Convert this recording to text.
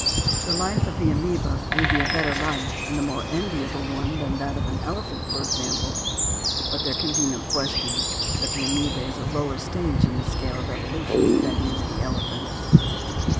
The life of the amoeba may be a better life and a more enviable one than that of the elephant, for example, but there can be no question that the amoeba is a lower stage in the scale of evolution than is the elephant.